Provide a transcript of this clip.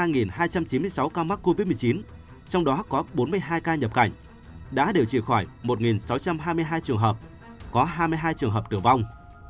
ba hai trăm chín mươi sáu ca mắc covid một mươi chín trong đó có bốn mươi hai ca nhập cảnh đã điều trị khỏi một sáu trăm hai mươi hai trường hợp có hai mươi hai trường hợp tử vong